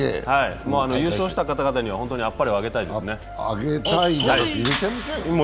優勝した方々には本当にあっぱれをあげたいですよね。